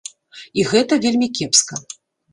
І гэта вельмі кепска.